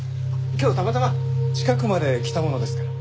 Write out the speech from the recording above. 今日たまたま近くまで来たものですから。